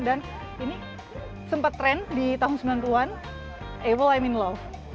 dan ini sempat tren di tahun sembilan puluh an able i m in love